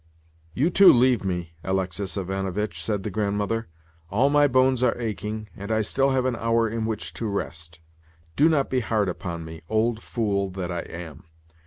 "You too leave me, Alexis Ivanovitch," said the Grandmother. "All my bones are aching, and I still have an hour in which to rest. Do not be hard upon me, old fool that I am.